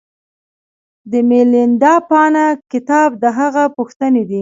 د میلیندا پانه کتاب د هغه پوښتنې دي